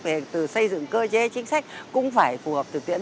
về từ xây dựng cơ chế chính sách cũng phải phù hợp thực tiễn